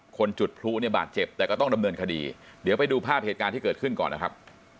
จุดพลุเนี่ยบาดเจ็บแต่ก็ต้องดำเนินคดีเดี๋ยวไปดูภาพเหตุการณ์ที่เกิดขึ้นก่อนนะครับ